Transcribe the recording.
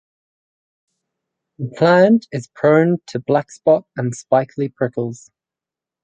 The plant is prone tp blackspot and spiky prickles.